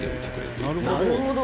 「なるほど！